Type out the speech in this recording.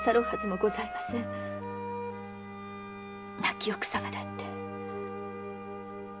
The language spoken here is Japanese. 亡き奥様だって。